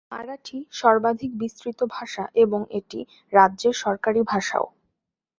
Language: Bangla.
মারাঠি সর্বাধিক বিস্তৃত ভাষা এবং এটি রাজ্যের সরকারী ভাষাও।